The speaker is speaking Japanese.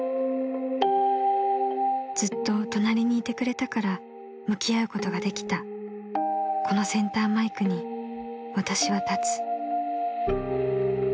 ［ずっと隣にいてくれたから向き合うことができたこのセンターマイクに私は立つ］